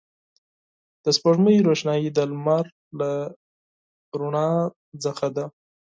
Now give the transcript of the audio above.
د سپوږمۍ روښنایي د لمر له رڼا څخه ده